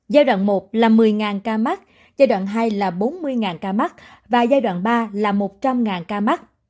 giai đoạn một là một mươi ca mắc giai đoạn hai là bốn mươi ca mắc và giai đoạn ba là một trăm linh ca mắc